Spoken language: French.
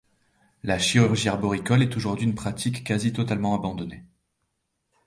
La chirurgie arboricole est aujourd'hui une pratique quasi totalement abandonnée.